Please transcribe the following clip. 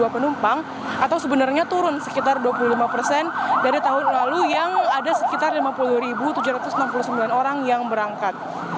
dua penumpang atau sebenarnya turun sekitar dua puluh lima persen dari tahun lalu yang ada sekitar lima puluh tujuh ratus enam puluh sembilan orang yang berangkat